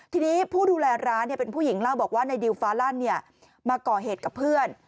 ทีนี้ผู้ดูแลร้านเป็นผู้หญิงเล่าบอกว่าในดิวฟ้าลั่นมาก่อเหตุกับเพื่อน